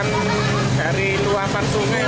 bukan dari luapan sungai